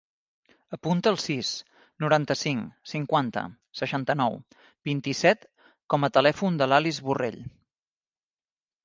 Apunta el sis, noranta-cinc, cinquanta, seixanta-nou, vint-i-set com a telèfon de l'Alice Borrell.